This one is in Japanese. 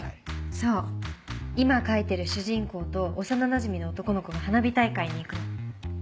そう今描いてる主人公と幼なじみの男の子が花火大会に行くの。